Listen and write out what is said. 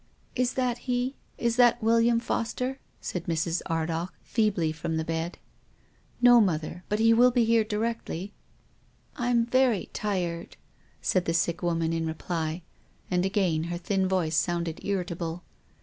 "Is that he— is that William Foster?" said Mrs, y\rdagh feebly from the bed. " No, mother. liuL he will be here directly." l66 TONGUES OF CONSCIENCE. " I'm very tired," said the sick woman in reply. And again her thin voice sounded irritable.